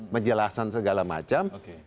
menjelaskan segala macam